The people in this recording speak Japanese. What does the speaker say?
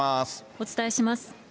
お伝えします。